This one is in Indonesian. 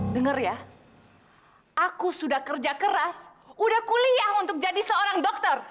dengar ya aku sudah kerja keras udah kuliah untuk jadi seorang dokter